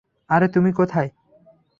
আরে তুমি কোথায়?